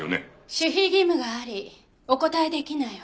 守秘義務がありお答えできないわ。